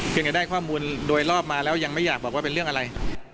เพื่อจะได้ความมูลโดยรอบมาแล้วยังไม่อยากบอกว่าร่วมเป็นเรื่องอะไร